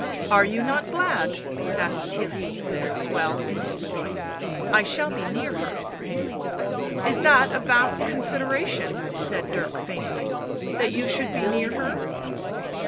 Are you not glad ?" asked Theirry, with a swell in his voice. " I shall be near her. ..." "Is that a vast consideration?" said Dirk faintly. " That you should be near her